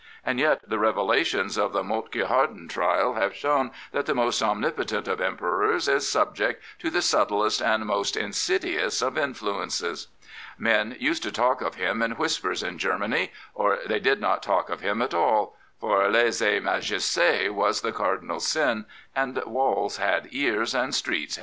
And yet the revelations of the Moltke Harden trial have shown that the most omnipotent of Emperors is subject to the subtlest and most insidious of influences. Men used to talk of him in whispers in Germany, or they did not talk of him at all, for Use majesti was the cardinal sin, and waUs had^e^js «tre^te.